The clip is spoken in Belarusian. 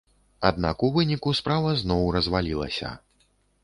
Аднак у выніку справа зноў развалілася.